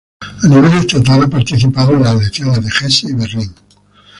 A nivel estatal, ha participado en las elecciones de Hesse y Berlín.